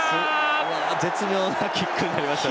うわ絶妙なキックになりましたね。